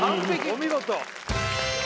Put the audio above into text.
お見事！